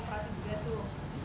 operasi apa dijelasin dulu mas topi